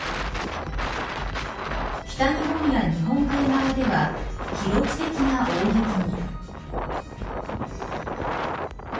北日本や日本海側では記録的な大雪に。